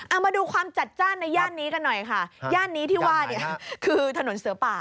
เอามาดูความจัดจ้านในย่านนี้กันหน่อยค่ะย่านนี้ที่ว่าเนี่ยคือถนนเสือป่า